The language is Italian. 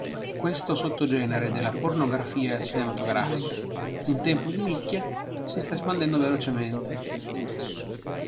Questo sottogenere della pornografia cinematografica, un tempo di nicchia, si sta espandendo velocemente.